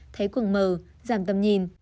thấy cuồng mờ giảm tầm nhìn